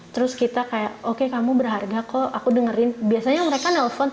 terus kita catching kamu berharga kok aku dengerin biasanya dia kamu dies cheese kan jangan guys